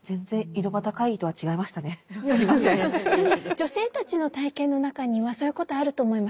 女性たちの体験の中にはそういうことあると思います。